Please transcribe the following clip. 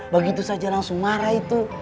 begitu saja langsung marah itu